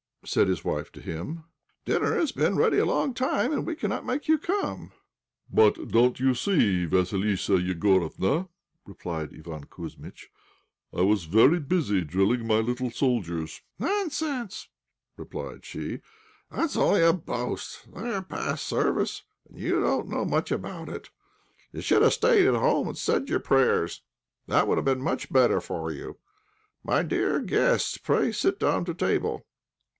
said his wife to him. "Dinner has been ready a long time, and we cannot make you come." "But don't you see, Vassilissa Igorofna," replied Iván Kouzmitch, "I was very busy drilling my little soldiers." "Nonsense," replied she, "that's only a boast; they are past service, and you don't know much about it. You should have stayed at home, and said your prayers; that would have been much better for you. My dear guests, pray sit down to table."